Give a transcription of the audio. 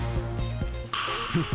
フッ。